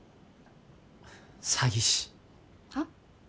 詐欺師はっ？